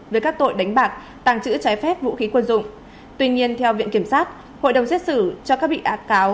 về các tội đánh bạc tàng trữ trái phép vũ khí quân dụng tuy nhiên theo viện kiểm sát hội đồng xét xử cho các bị ác cáo